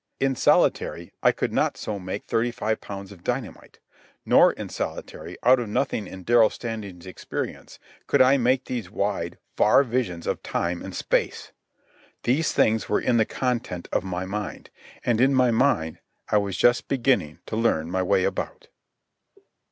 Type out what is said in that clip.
In solitary I could not so make thirty five pounds of dynamite. Nor in solitary, out of nothing in Darrell Standing's experience, could I make these wide, far visions of time and space. These things were in the content of my mind, and in my mind I was just beginning to learn my way about.